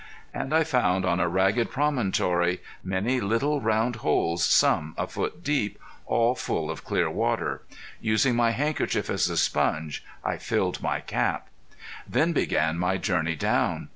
And I found on a ragged promontory many little, round holes, some a foot deep, all full of clear water. Using my handkerchief as a sponge I filled my cap. Then began my journey down.